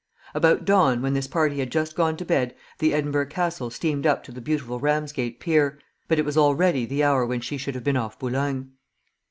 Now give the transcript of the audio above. About dawn, when this party had just gone to bed, the "Edinburgh Castle" steamed up to the beautiful Ramsgate pier; but it was already the hour when she should have been off Boulogne.